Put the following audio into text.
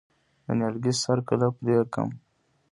د نیالګي سر کله پرې کړم؟